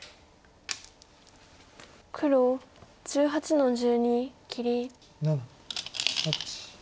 黒１８の十二切り。